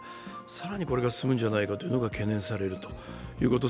更にこれが進むんじゃないかということが懸念されるということ。